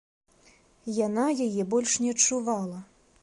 Яна яе больш не адчувала.